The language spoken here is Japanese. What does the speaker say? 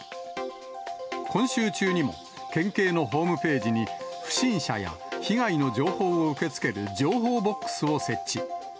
今週中にも、県警のホームページに、不審者や被害の情報を受け付ける情報ボックスを設置。